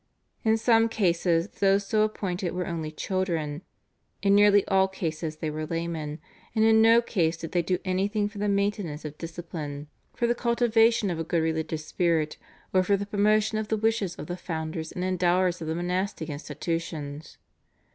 In some cases those so appointed were only children, in nearly all cases they were laymen, and in no case did they do anything for the maintenance of discipline, for the cultivation of a good religious spirit, or for the promotion of the wishes of the founders and endowers of the monastic institutions.